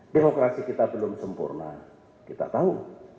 demokrasi kita belum sempurna kita tahu